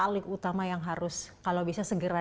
lama yang harus kalau bisa segera